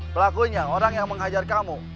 pelakunya orang yang menghajar kamu